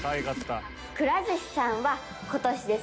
くら寿司さんは今年で。